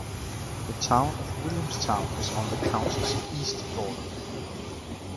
The Town of Williamstown is on the county's east border.